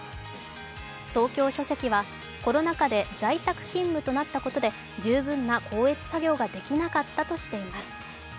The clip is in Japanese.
東京書籍は、コロナ禍で在宅勤務となったことで十分な校閲作業ができなかったとしています。